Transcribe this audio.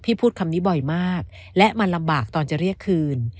พูดคำนี้บ่อยมากและมันลำบากตอนจะเรียกคืน